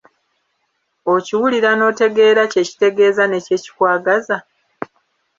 Okiwulira n'otegeera kye kitegeeza ne kye kikwagaza?